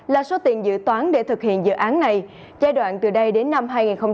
là số tiền dự toán để thực hiện dự án này giai đoạn từ đây đến năm hai nghìn hai mươi